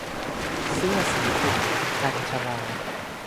เสื้อสีฝุ่น - กัญญ์ชลา